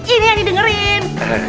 ini yang didengerin